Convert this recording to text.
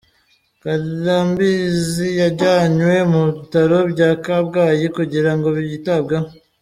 Karambizi yajyanywe mu bitaro bya Kabgayi kugira ngo yitabweho.